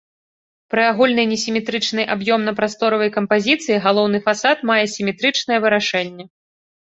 Пры агульнай несіметрычнай аб'ёмна-прасторавай кампазіцыі галоўны фасад мае сіметрычнае вырашэнне.